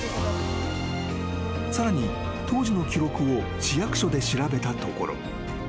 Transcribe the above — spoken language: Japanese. ［さらに当時の記録を市役所で調べたところ］